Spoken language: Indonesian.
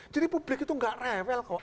jadi publik itu enggak revel kok